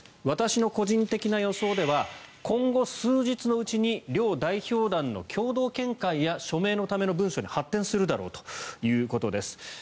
私の個人的な予想では今後数日のうちに両代表団の共同見解や署名のための文書に発展するだろうということです。